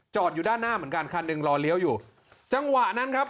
อยู่ด้านหน้าเหมือนกันคันหนึ่งรอเลี้ยวอยู่จังหวะนั้นครับ